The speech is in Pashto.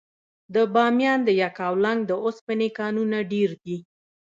د بامیان د یکاولنګ د اوسپنې کانونه ډیر دي.